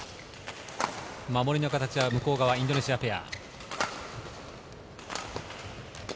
守りの形は向こう側、インドネシアペア。